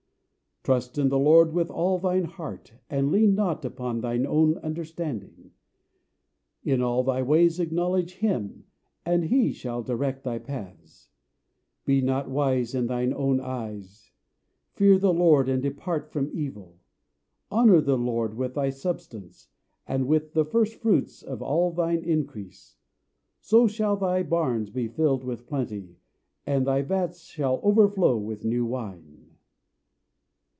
Trust in the LORD with all thine heart, And lean not upon thine own understanding: In all thy ways acknowledge him, And he shall direct thy paths. Be not wise in thine own eyes; Fear the LORD, and depart from evil: Honour the LORD with thy substance, And with the first fruits of all thine increase: So shall thy barns be filled with plenty, And thy vats shall overflow with new wine.